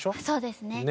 そうですね。